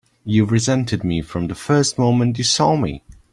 You've resented me from the first moment you saw me!